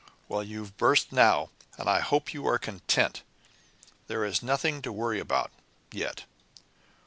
"Well, you've burst now, and I hope you are content. There is nothing to worry about, yet.